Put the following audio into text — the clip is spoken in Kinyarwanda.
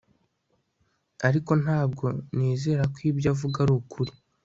ariko, ntabwo nizera ko ibyo avuga ari ukuri